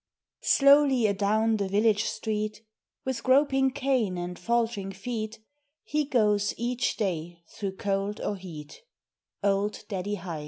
SLOWLY adown the village street With groping cane and faltering feet, He goes each day through cold or heat Old Daddy Hight.